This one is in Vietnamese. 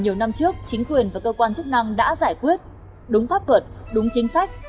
nhiều năm trước chính quyền và cơ quan chức năng đã giải quyết đúng pháp luật đúng chính sách